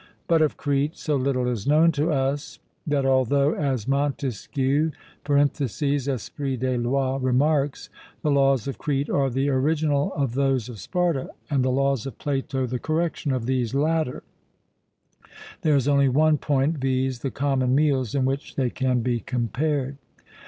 But of Crete so little is known to us, that although, as Montesquieu (Esprit des Lois) remarks, 'the Laws of Crete are the original of those of Sparta and the Laws of Plato the correction of these latter,' there is only one point, viz. the common meals, in which they can be compared.